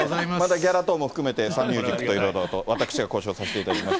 ギャラ等も含めて、サンミュージックといろいろと、私が交渉させていただきます。